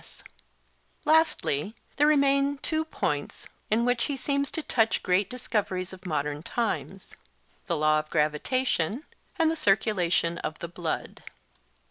Lastly, there remain two points in which he seems to touch great discoveries of modern times—the law of gravitation, and the circulation of the blood.